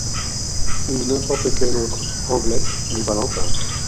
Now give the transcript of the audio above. Ou n’importe quel autre Anglès ou Valentin